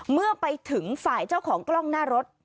เมื่อไปถึงฝ่ายเจ้าของกล้องหน้ารถ